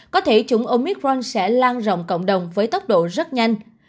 có thể chủng omitron sẽ lan rộng cộng đồng với tốc độ rất nhanh